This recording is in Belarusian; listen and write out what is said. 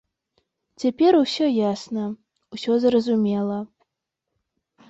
Цяпер усё ясна, усё зразумела.